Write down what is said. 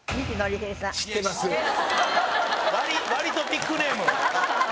割とビッグネーム。